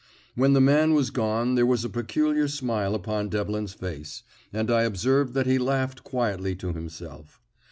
When the man was gone there was a peculiar smile upon Devlin's face, and I observed that he laughed quietly to himself.